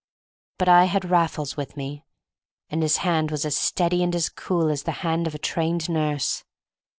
But I had Raffles with me, and his hand was as steady and as cool as the hand of a trained nurse.